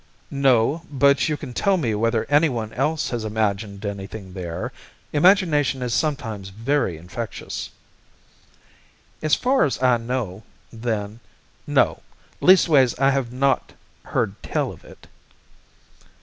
"No, but you can tell me whether anyone else has imagined anything there. Imagination is sometimes very infectious." "As far as I know, then, no; leastways, I have not heard tell of it."